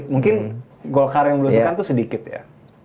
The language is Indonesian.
mungkin golkar yang blusukan tuh sedikit ya